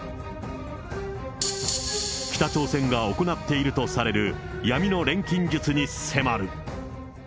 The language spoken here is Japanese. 北朝鮮が行っているとされる闇の錬金術に迫る。